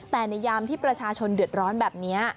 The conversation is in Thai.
แต่ในยามที่ประชาชนเดือดร้อนแบบนี้